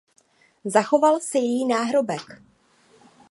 Zachoval se její náhrobek.